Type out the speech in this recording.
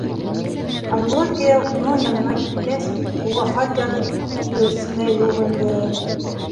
Айбулат кейәү уның янынан киткәс, уға хат яҙып биреүсе лә юҡ инде.